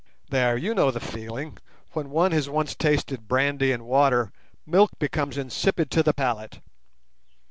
There, you know the feeling—when one has once tasted brandy and water, milk becomes insipid to the palate.